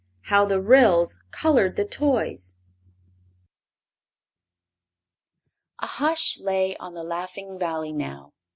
How the Ryls Colored the Toys A hush lay on the Laughing Valley now.